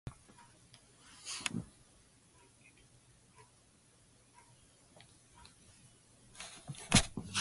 In later years, he reflected that it had been a mistake to leave Lancashire.